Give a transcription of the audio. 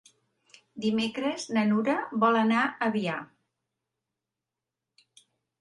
Dimecres na Nura vol anar a Avià.